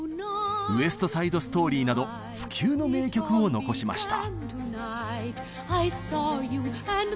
「ウエスト・サイド・ストーリー」など不朽の名曲を残しました。